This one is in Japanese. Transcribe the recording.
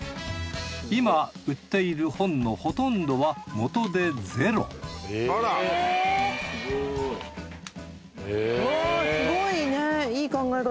今売っている本のほとんどは元手ゼロうわぁすごいね。